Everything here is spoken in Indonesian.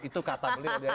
itu kata beliau